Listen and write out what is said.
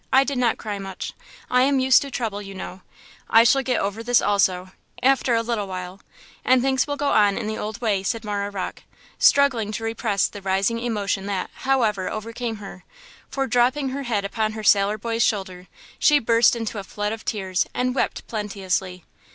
I did not cry much; I am used to trouble, you know; I shall get over this also–after a little while–and things will go on in the old way," said Marah Rocke, struggling to repress the rising emotion that, however, overcame her, for, dropping her head upon her "sailor boy's" shoulder, she burst into a flood of tears and wept plenteously.